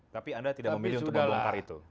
tapi anda tidak memilih untuk membongkar itu